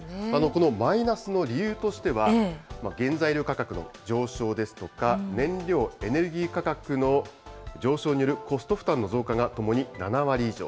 このマイナスの理由としては、原材料価格の上昇ですとか、燃料・エネルギー価格の上昇によるコスト負担の増加がともに７割以上。